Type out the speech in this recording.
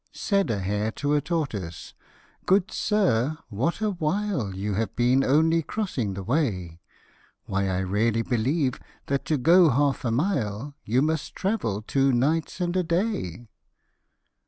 SAID a hare to a tortoise, " Good sir, what a while You have been only crossing the way ; Why I really believe that to go half a mile You must travel two nights and a day."